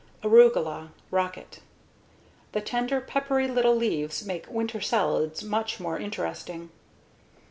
Arugula (Rocket) The tender, peppery little leaves make winter salads much more interesting.